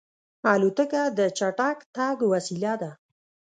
الوتکه د چټک تګ وسیله ده.